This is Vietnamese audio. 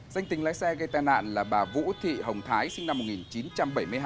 danh tình lái xe gây tai nạn là bà vũ thị hồng thái sinh năm một nghìn chín trăm bảy mươi hai